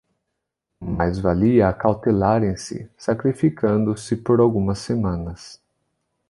Mais valia acautelarem-se, sacrificando-se por algumas semanas.